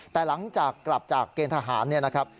แต่หลังจากกลับจากเกณฑ์ทหารเนี่ยนะครับ